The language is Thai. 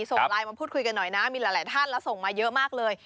ส่งไลน์มาพูดคุยกันหน่อยนะมีหลายท่านแล้วส่งมาเยอะมากเลย